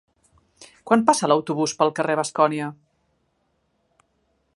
Quan passa l'autobús pel carrer Bascònia?